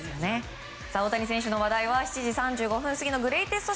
大谷選手の話題は７時３５分過ぎのグレイテスト